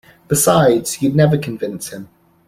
Besides, you’d never convince him.